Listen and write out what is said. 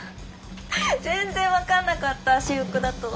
全然分かんなかった私服だと。